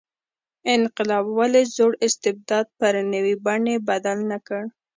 انقلاب ولې زوړ استبداد پر نوې بڼې بدل نه کړ.